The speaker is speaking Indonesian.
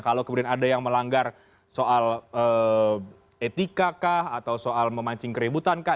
kalau kemudian ada yang melanggar soal etika kah atau soal memancing keributan kah